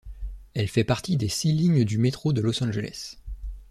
Elle fait partie des six lignes du métro de Los Angeles.